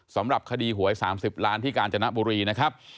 สำหรับคดีหวย๓๐ล้านที่กาญจนบุรีนะครับ